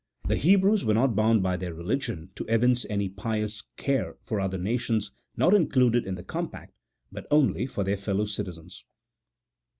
The Hebrews were not bound by their religion to evince any pious care for other nations not included in the compact, but only for their own fellow citizens.